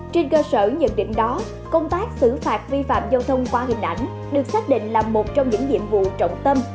trên cơ sở nhận định đó công tác xử phạt vi phạm giao thông qua hình ảnh được xác định là một trong những nhiệm vụ trọng tâm